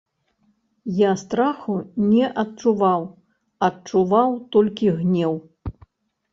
Я страху не адчуваў, адчуваў толькі гнеў.